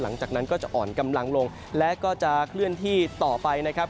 หลังจากนั้นก็จะอ่อนกำลังลงและก็จะเคลื่อนที่ต่อไปนะครับ